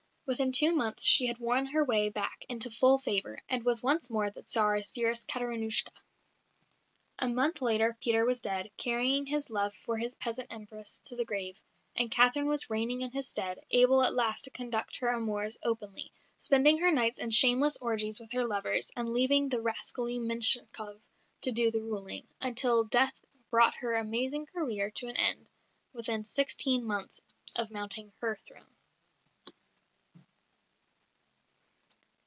Within two months she had won her way back into full favour, and was once more the Tsar's dearest Katiérinoushka. A month later Peter was dead, carrying his love for his peasant Empress to the grave, and Catherine was reigning in his stead, able at last to conduct her amours openly spending her nights in shameless orgies with her lovers, and leaving the rascally Menshikoff to do the ruling, until death brought her amazing career to an end within sixteen months of mounting her throne.